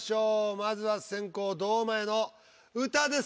まずは先攻堂前の歌です。